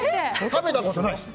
食べたことないです。